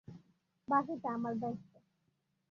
বাকিটা আমার দায়িত্ব।